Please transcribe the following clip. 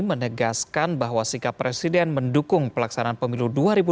menegaskan bahwa sikap presiden mendukung pelaksanaan pemilu dua ribu dua puluh